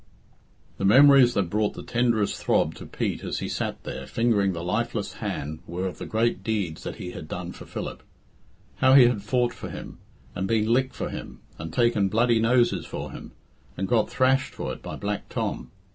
The memories that brought the tenderest throb to Pete as he sat there fingering the lifeless hand were of the great deeds that he had done for Philip how he had fought for him, and been licked for him, and taken bloody noses for him, and got thrashed for it by Black Tom.